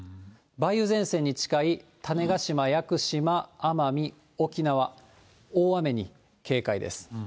梅雨前線に近い種子島、屋久島、奄美、沖縄、大雨に警戒です。